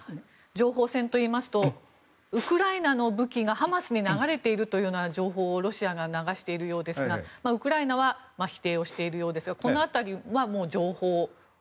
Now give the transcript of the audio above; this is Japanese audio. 情報戦といいますとウクライナの武器がハマスに流れているというような情報をロシアが流しているようですがウクライナは否定をしているようですがこの辺りは情報戦と。